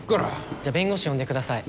じゃあ弁護士呼んでください。